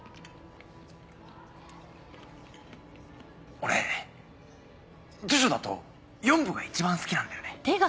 俺『ジョジョ』だと４部が一番好きなんだよね。